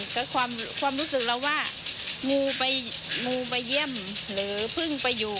แต่ความรู้สึกเราว่างูไปเยี่ยมหรือเพิ่งไปอยู่